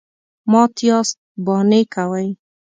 _مات ياست، بانې کوئ.